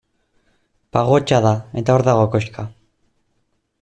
Pagotxa da, eta hor dago koxka.